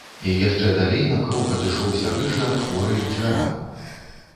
І яшчэ далей на крок адышоўся рыжы ад хворай к дзвярам.